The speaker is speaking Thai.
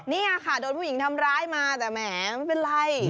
นี่ค่ะโดนผู้หญิงทำร้ายมาแต่แหมไม่เป็นไร